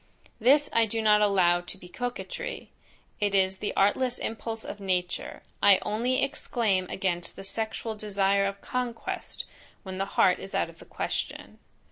This I do not allow to be coquetry, it is the artless impulse of nature, I only exclaim against the sexual desire of conquest, when the heart is out of the question.